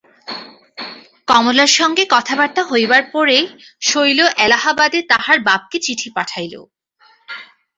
কমলার সঙ্গে কথাবার্তা হইবার পরেই শৈল এলাহাবাদে তাহার বাপকে চিঠি পাঠাইল।